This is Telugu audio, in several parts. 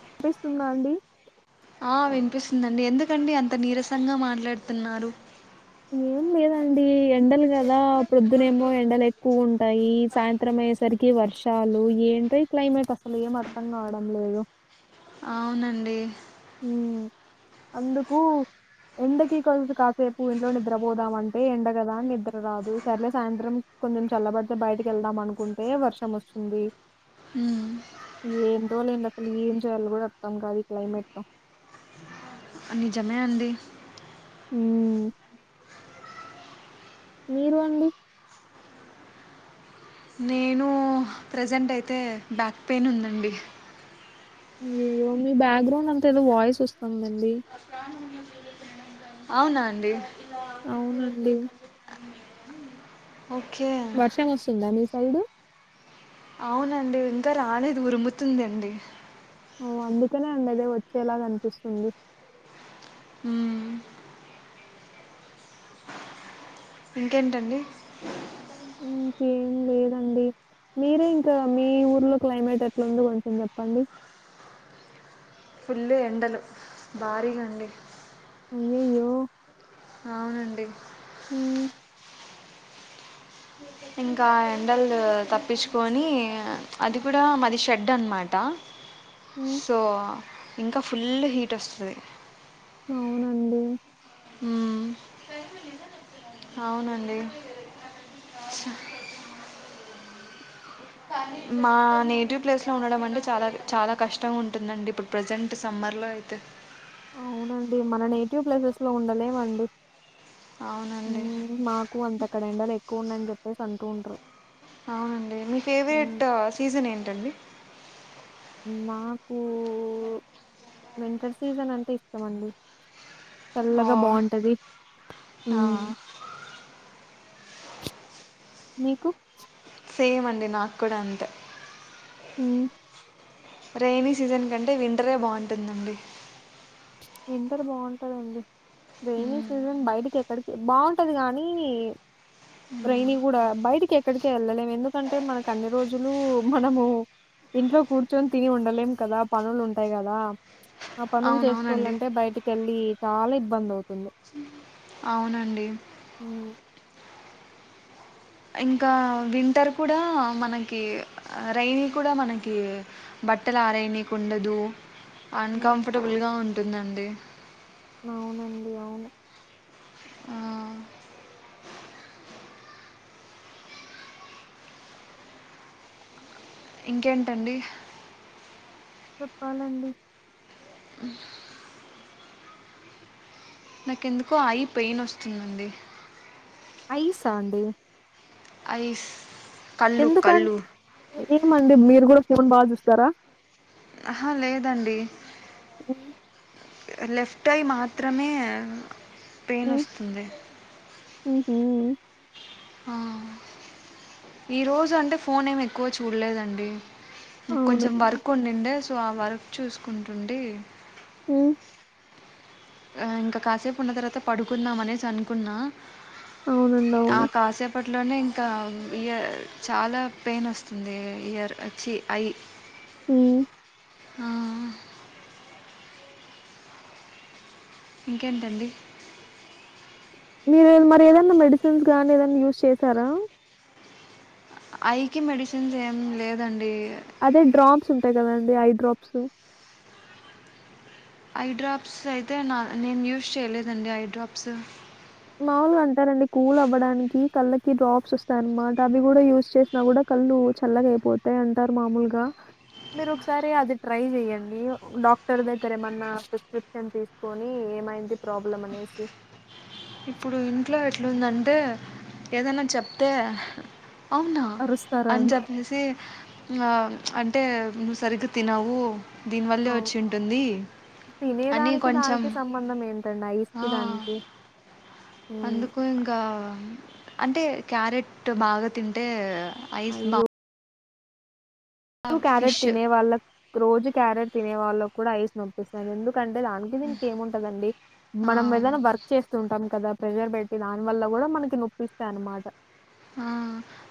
అప్పు ఇస్తుందా అండి ఆ వినిపిస్తుందండి ఎందుకండి అంత నీరసంగా మాట్లాడుతున్నారు. ఏం లేదండి ఎండలు కదా ప్రొద్దునేమో ఎండలు ఎక్కువ ఉంటాయి సాయంత్రం అయ్యేసరికి వర్షం. టాల్లు ఏంటో ఈ క్లైమేట్ అసలు ఏం అర్థం కావడం లేదు. అవునండి ఉం అందుకు ఎండకి కాసేపు ఇంట్లో నిద్రపోదామంటే ఎండ కదా నిద్ర రాదు సర్లే సాయంత్రం కొంచెం చల్లబడితే బయటకి వెళ్దాం అనుకుంటే వర్షం వస్తుంది ఉమ్ ఏంటో లెండి అసలు ఏం చెయ్యాలో కూడా అర్థం కాదు ఈ క్లైమేట్ ప నిజమే అండి ఊమ్ మీరు అండి నేను ప్రెజెంట్ అయితే బ్యాక్ పెయిన్ ఉందండి. అయ్యోయ్యో మీ బ్యాక్గ్రౌండ్ అంతా ఏదో వాయిస్ వస్తుందండి అవునా అండి అవునండి ఓకే వర్షం వస్తుందా మీక్ తెల్దు అవునండి ఇంకా రాలేదు ఉరుముతుందండి. ఓ అందుకనే అండి అదే వచ్చేలాగా అనిపిస్తుంది. ఊమ్ ఇంకేంటండి ఇంకేం లేదండి మీరే ఇంకా మీ ఊర్లో క్లైమేట్ ఎట్లుందో కొంచెం చెప్పండి. ఫుల్లు ఎండలు భారీగా అండి. అయ్యయ్యో అవునండి ఉమ్ ఇంకా ఎండల్ తప్పించుకొని అది కూడా మాది షెడ్ అనమాట ఉమ్ సో ఇంకా ఫుల్ హీట్ వస్తది అవునండి ఉమ్మ్ అవునండి చ- మా నేటివ్ ప్లేస్లో ఉండడం అంటే చాలా చాలా కష్టంగా ఉంటుందండి ఇప్పుడు ప్రసెంట్ సమ్మర్లో అయితే అవునండి మన నేటివ్ ప్లేసెస్ లో ఉండలేవండి. అవునండి ఎక్కువ అంతక్కడ ఎండలో ఎక్కువ ఉన్యాయని చెప్పేసి అంటూ ఉంటారు. మీ ఉమ్ ఫేవరెట్ సీజన్ ఏంటండి. మాకూ వింటర్ సీజన్ అంటే ఇష్టమండి ఓ చల్లగా బాగుంటది ఆ ఉం. మీకు సేమ్ అండి నాకు కూడా అంతే అ రైని సీజన్ కంటే వింటరే బావుంటుందిదండి వింటర్ బావుంటదండి. రెైనీ హ్మ్ సీజన్ బయటికి ఎక్కడికి బాఉంటది, కానీ రైనీ కూడా బయటికి ఎక్కడిక వెళ్ళలేము. ఎందుకంటే మనకు అన్ని రోజులు మనము ఇంట్లో కూర్చొని తిని ఉండలేము కదా పనులు ఉంటాయి కదా ఆ పనులు చే అవునవునండి సుల్ంటే బయటికెళ్లి చాలా ఇబ్బంది అవుతుంది అవునండి ఉమ్, ఇంకా వింటర్ కూడా మనకి రైైనీ కూడా మనకి బట్టలు ఆరైణికుండదు ఉమ్, అన్కంఫరటబుల్ గా ఉంది ఉంటుందండి అవునండి అవును ఆ, ఇంకేంటండి చెప్పాలండి నాకెందుకో ఐ పెయిన్ వస్తుందండి ఐసా అండి ఐస్ కళ్ళు ఎందుక కళ్ళు ఈ మండి మీరు మీరు కూడా ఫోన్ బాగా చూస్తారా ఆహా లేదండి అ [unintelligible] లెఫ్ట్ ఐ మాత్రమే పెయిన్ వస్తుంది ఆహ ఆ ఈ రోజు అంటే ఫోన్ ఏమి ఎక్కువ చూడలేదండి కొంచెం అవునండి వర్క్ ఉండుండే సో ఆ వర్క్ చూసుకుంటుండి అ ఆ ఇంకా కాసేపు ఉన్న తర్వాత పడుకుందాం అనేసి అనుకున్నా అవునండి అవును అప్పట్లోనే ఇంకా ఇయర్ చాలా పెయిన్ వస్తుంది. ఇయర్ వచ్చి ఐ ఉ ఆ ఇంకేంటండి మీరు మరి ఏదైనా మెడిసిన్స్ గానీ ఏదైనా యూజ్ చేసారా ఐకి మెడిసిన్స్ ఏం లేదండి అదే డ్రాప్స్ ఉంటాయి కదండి ఐ డ్రాప్స్ ఐడ్రాప్స్ అయితే నా నేను యూస్ చేయలేదండి ఐడ్రాప్స్. మామూలుగా అంటారండి కూల్ అవ్వడానికి కళ్ళకి డ్రాప్స్ వస్తాయ అన్నమాట అవి కూడా యూస్ చేసినా కూడా కళ్ళు చల్లగా అయిపోతాయి అంటారు. మామూలుగా మీరు ఒకసారి అది ట్రై చేయండి. డాక్టర్ దగ్గర ఏమన్నా ప్రిస్క్రిప్షన్ తీసుకొని ఏమైంది ప్రాబ్లం అనేసి ఇప్పుడు ఇంట్లో ఎట్లుందంటే ఏదైనా చెప్తే అవునా అరుస్తారా అని అండి? చెప్పేసి వా అంటే నువ్వు సరిగ్గా తినవు దీనివల్లే అవును. వచ్చి ఉంటుంది అని తినేదానికి కొంచెం దానికి సంబంధం ఏంటండి అ ఐస్‌కి దానికి. హ్మ్. అందుకు ఇంకా అంటే క్యారెట్ బాగా తింటే యిస్ బా అయ్యో! క్యారెట్ తినే వాళ్ళ రోజు క్యారెట్ తినే వాళ్ళ కూడా ఐస్ నంపిస్తాందు కంటే దానికి దీనికి ఏమి ఉంటదండి ఆ! మనం ఏదైనా వర్క్ చేస్తుంటాం కదా ప్రెషర్ బ దాని వల్ల కూడా మనకి నొప్పిస్తాయి అనమాట ఆ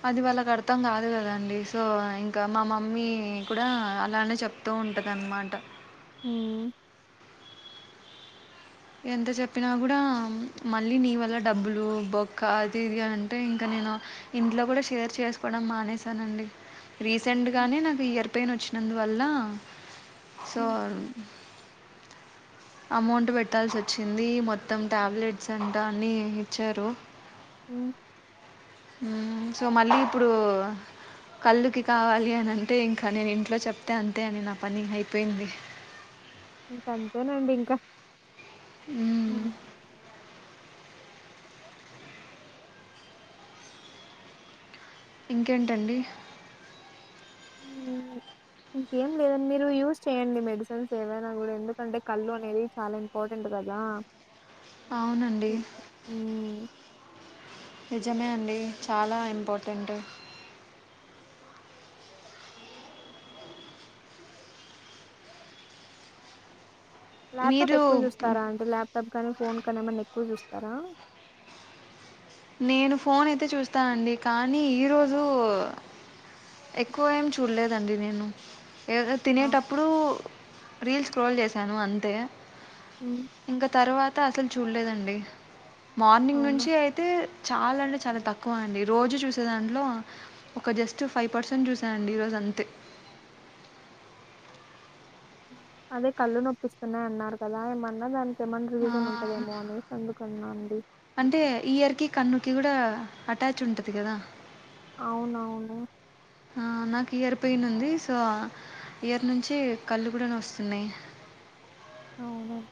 అది వాళ్ళకు అర్థం కాదు కదండి సో ఇంకా మా మమ్మీ కూడా అలానే చెప్తూ ఉంటంది అన్నమాట ఉమ్ ఎంత చెప్పినా కూడా మళ్ళీ నీ వల్ల డబ్బులు బొక్క అది ఇది అంటే ఇంకా నేను ఇంట్లో కూడా షేర్ చేసుకోవడం మానేసానండి రీసెంట్ గానే నాకు ఇయర్పైయిన్ వచ్చి అందువల్ల సో అమౌంట్ పెట్టాల్సి వచ్చింది మొత్తం టాబ్లెట్స్ అంటా అన్ని ఇచ్చారు ఉమ్ ఉమ్ సో మళ్ళీ ఇప్పుడు కళ్ళుకి కావాలి అని అంటే ఇంకా నేను ఇంట్లో చెప్తే అంతే అని నా పని అయిపోయింది ఇంక అంతేనండి ఇంకా ఉమ్ ఇకేంటండి మ్ ఇంకేం లేదండి మీరు యూజ్ చేయండి మెడిసిన్స్ ఏవైనా కూడా ఎందుకంటే కళ్ళు అనేది చాలా ఇంపార్టెంట్ కదా అవునండి ఓ ఉమ్ నిజమే అండి చాలా ఇంపార్టెంట్ మీరు ల్యాప్టాప్క్కువ చూస్తా అండి ల్యాప్టాప్ కానీ ఫోన్ కని ఏమన్నా ఎక్కువ చూస్ తారా నేను ఫోన్ అయితే చూస్తానండి కానీ ఈరోజు ఎక్కువ ఏమి చూడలేదండి నేను ఏదో ఆ. తినేటప్పుడు రీల్స్ స్క్రోల్ చేసాను అంతే ఉమ్ ఇంకా తరువ త అసలు చూడలేదండి మార్నింగ్ అవునా నుంచి ఐ చాలా అంటే చాలా తక్కువ అండి రోజు చూసే దాంట్లో ఒక జస్ట్ ఫైవ్ పర్సెంట్ చూసానండి ఈరోజు అంతే అదే కళ్ళు నొప్పిస్తున్నాయి అన్నారు కదా ఏమన్నా దాన్ ఆ అండి అంటే ఈయర్కి కన్నుకి కూడా అటాచ్ ఉంటది కదా అవునవును నాకు ఇయర్ పెయిన్ ఉంది. సో ఇయర్ నుంచి కళ్ళు కూడా నస్తున్నాయి. అవునన్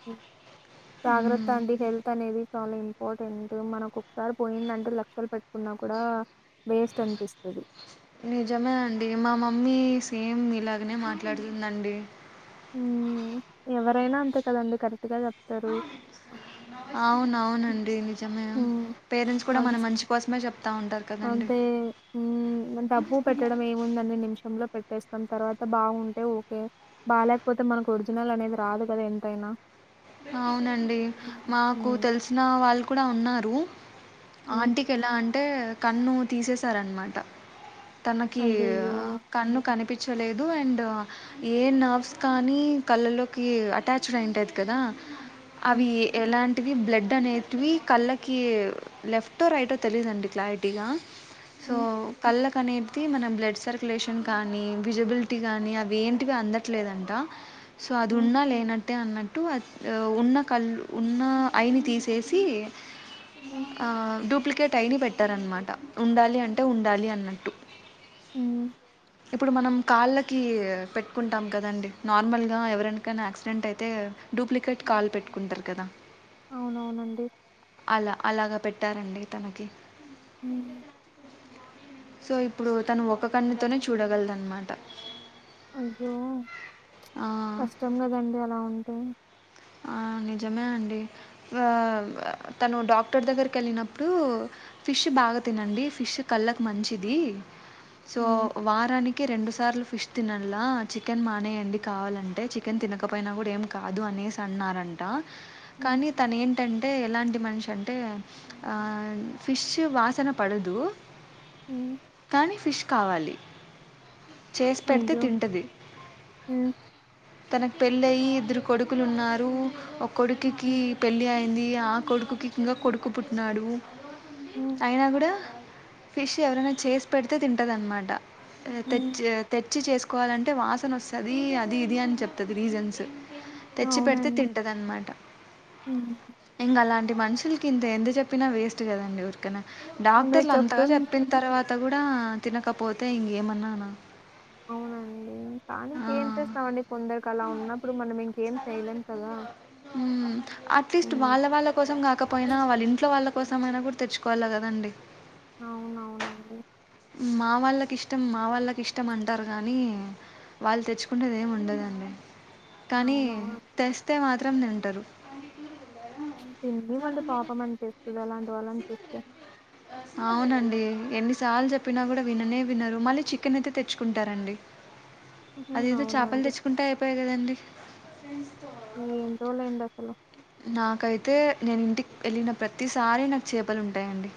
జాగ్రత్త హ్మ్. అండి హెల్త్ అనేది చాలా ఇం ఇంపార్టెంట్ మనకు ఒకసారి పోయిందంటే లక్షలు పెట్టుకున్నా కూడా వేస్ట్ అనిపిస్తది. నిజమే అండి మా మమ్మీ సేమ్ మీలాగనే మాట్లాడుతుందండి. ఉమ్ ఎవరైనా అంతే కదండి కరె ట్గా చెప్తారు అవునవునండి. నిజమే. మ్ పేరెంట్స్ కూడా మన మనస్ మంచి కోసమే చెప్తా ఉంటారు కదండీ! అంటే ఉమ్ డబ్బు పెట్టడం ఏముందన్ని నిమిషంలో పెట్టచ్ పెట్టేస్తాం తర్వాత బాగుంటే ఓకే బాలేకపోతే మనకు ఒరిజినల్ అనేది రాదు కదా ఎంతైనా అవునండి ఉమ్ మాకు తెలుస్ నా వాళ్ళు కూడా ఉన్నారు ఉమ్ ఆంటీకి ఎలా ఆన్ టే కన్ను తీసేశారన్న మాట తనకి అయ్యయ్యో! కన్ను కనిపించ్ నచ్చలేదు అండ్ ఏ నర్వ్స్ కానీ కళ్ళల్లోకి అటాచ్డ్ అయింటది కదా హ్మ్. అవి ఎలా అన్ బ్లడ్ అనేటివి కళ్ళకి లెఫ్టో రైటో తెలీయదండి క్లారిటీగా సో హ్మ్. కళ్ళకి అనేటిది మన బ్లడ్ సర్క్యులేషన్ కానీ విజిబిలిటీ కానీ అవి ఏంటివి అందట్లేదంట సో అది హ్మ్. ఉన్నా లేనట్టే న్నట్టే అటు ఉన్న కళ్ళు ఉన్న ఐని తీసేసి హ్మ్. ఆ డూప్లికే కెట్ ఐని పెట్టారన్న మాట ఉండాలి అంటే ఉండాలి అన్నట్టు ఉహ్ ఇప్పుడు మనం కాళ్ళకి పెట్టుకుంటాం కదండి నార్మల్గా ఎవరికైనా యాక్సిడెంట్ అయితే డూప్లికేట్ కాలు పెట్టుకుంటారు కదా అవునవునండి. అలా అలాగా పెట్టారండి తనకి ఉహ్ సో ఇప్పుడు తను ఒక కన్నుతోనే చూడగలదన్న మాట అయ్యో కష్టం కదండి అలా ఉంటే ఆ నిజమే అండి తను డాక్టర్ దగ్గరికి వెళ్ళినప్పుడు ఫిష్ బాగా తినండి. ఫిష్ కళ్ళకు మంచిది. సో హ్మ్. వారానికి నికి రెండు సార్లు ఫిష్ తినలా చికెన్ మానేయండి కావాలంటే చికెన్ తినకపోయినా కూడా ఏం కాదు అనేసి అన్నారంట హ్మ్. కానీ తను ఏం టంటే ఎలాంటి మనిషి అంటే ఆ ఫిష్ వాసన పడదు హ్మ్. కానీ ఫిష్ కావాలి చేసి పెడితే అయ్యో! తింటది హ్మ్. తనకు పెళ్ళి అయి ఇద్దరు కొడుకులు ఉన్నారు ఒక కొడుకికి హ్మ్. పెళ్ళి అయిం ది ఆ కొడుకుకి ఇంకా కొడుకు పుట్టిన్నాడు హ్మ్. అయినా కూడా ఫిష్ ఎవరైనా చేసి పెడితే తింటదనమాట హ్మ్. తెచ్చి తే వచ్చి చేసుకోవాలంటే వాసన వస్తుంది అది ఇది అని చెప్తుంది రీజన్స్ తెచ్చి పెడితే అవునండి. తింటది అన్నమాట హ్మ్. ఇంకా అలాంటి మనుషులకి ఇంత ఎంత చెప్పినా వేస్ట్ కదండి ఉరికన మీరు డాక్టర్లు అంతగా చెప్తున్ చెప్పిన తర్వాత అంత కూడా తినకపోతే ఇంకేమన్నా అవునండి కానీ ఇంకేం చేస్తామండి కొందరికి అలా ఉన్నప్పుడు మనం ఇంకేం చేయలేం కదా! అట్లీస్ట్ హ్మ్. వాళ్ళ వాళ్ళ కోసం కాకపోయినా వాళ్ళ ఇంట్లో వాళ్ళ కోసం అయినా కూడా తెచ్చుకోవాల కదండి అవునవునండి మా వాళ్ళకి ఇష్టం మా వాళ్ళకి ఇష్టం అంటారు కానీ వాళ్ళు తెచ్చుకునేది ఏమి ఉండదండి కానీ అవునవును తెస్తే మాత్రం తింటరు తిగి మంటీ పాపం అనిపిస్తుంది అలాంటి వాళ్ళని చూస్తే. అవునండి ఎన్నిసార్లు చెప్పినా కూడా విననే వినరు మళ్ళీ చికెన్ అయితే తెచ్చుకుంటారండి ఉహు, అదేదో చేపలు అవునండి. తెచ్చుకుంటే అయిపోయాయి కదండి ఫ ఈ జోల ఎందసల నాకైతే నేను ఇంటికి వెళ్ళిన ప్రతిసార నాకు చేపలు ఉంటాయండి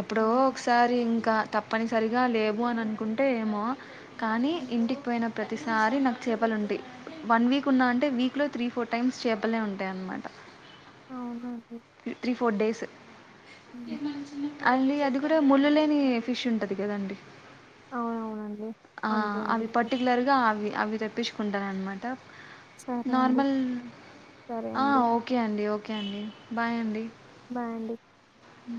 ఎప్పుడో అవును. ఒకసారి ఇంకా తప్పనిసరిగా లేవు అని అనుకుంటే ఏమో కానీ హ్మ్. ఇంటికి పోయినప్ ప్రతిసారి నాకు చేపలు ఉంటాయి. వన్ వీక్ ఉంద అంటే వీక్ లో త్రీ ఫోర్ టైమ్స్ చేప చెప్పలే ఉంటాయన్నమాట అవునా అండి ఫోర్ డేస్ ఏమైదీన్ అళీ అది కూడా ముళ్ళ లేని ఫిష్ ఉంటది కదండి అవునవునండి. ఆ అంతే అండి. అవి ఇంకా. పర్టికులర్ గా అవి అవి తెప్పించుకుంటాను అన్నమాట సరే అండి. నార్మల్ సరే ఆ అండి. ఓకే అండి అ ఓకే అండి బాయ్ అండి బాయ్ అండి అ